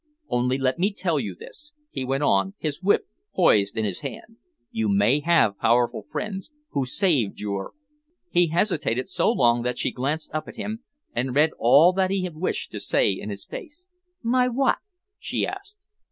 Only let me tell you this," he went on, his whip poised in his hand. "You may have powerful friends who saved your " He hesitated so long that she glanced up at him and read all that he had wished to say in his face. "My what?" she asked.